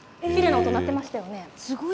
きれいな音が鳴っていましたよね。